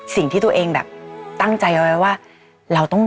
สิ่งที่ตัวเองแบบตั้งใจเอาไว้ว่าเราต้อง